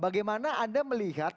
bagaimana anda melihat